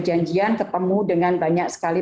janjian ketemu dengan banyak sekali